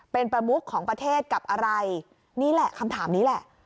เป็นประมุขของประเทศกับอะไรนี่แหละคำถามนี้แหละ